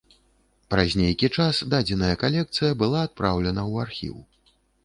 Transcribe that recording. Праз нейкі час дадзеная калекцыя была адпраўлена ў архіў.